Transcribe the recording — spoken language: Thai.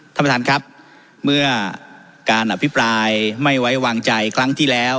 ท่านประธานครับเมื่อการอภิปรายไม่ไว้วางใจครั้งที่แล้ว